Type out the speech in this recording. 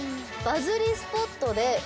バズりスポット？